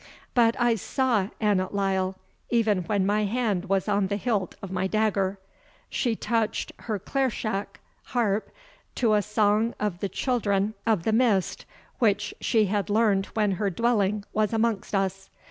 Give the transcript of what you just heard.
But I saw Annot Lyle, even when my hand was on the hilt of my dagger. She touched her clairshach [Harp] to a song of the Children of the Mist, which she had learned when her dwelling was amongst us.